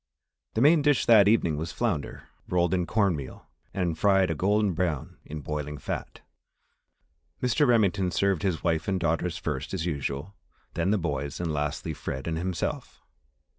The main dish that evening was flounder, rolled in cornmeal and fried a golden brown in boiling fat. Mr. Remington served his wife and daughters first as usual, then the younger boys, and lastly, Fred and himself.